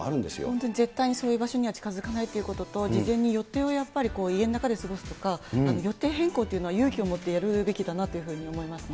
本当に絶対にそういう場所には近づかないということと、事前に予定をやっぱり家の中で過ごすとか、予定変更というのは、勇気を持ってやるべきだなというふうに思いますね。